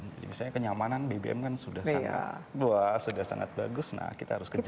jadi misalnya kenyamanan bbm kan sudah sangat bagus kita harus ke desktop